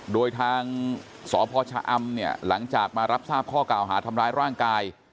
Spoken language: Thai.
โดยทางสพชะอำเนี่ยหลังจากมารับทราบข้อกล่าวหาทำร้ายร่างกาย